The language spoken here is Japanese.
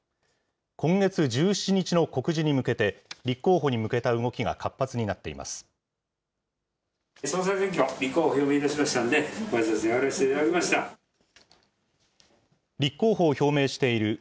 今月１７日の告示に向けて、立候補に向けた動きが活発になっています。